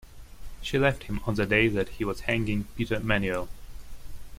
She left him on the day that he was hanging Peter Manuel.